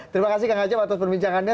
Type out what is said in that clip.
terima kasih kak nacep atas perbincangannya